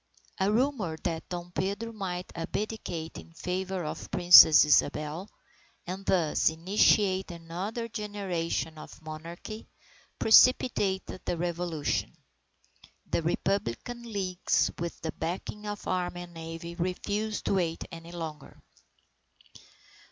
A rumor that Dom Pedro might abdicate in favour of Princess Isabel, and thus initiate another generation of monarchy, precipitated the Revolution. The Republican leagues, with the backing of the army and navy, refused to wait any longer.